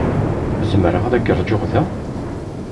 Zemreɣ ad k-ṛjuɣ da?